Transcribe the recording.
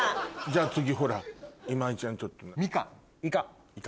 じゃ次ほら今井ちゃんちょっと。